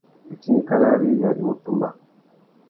Itindikana râ iya i mú tumba.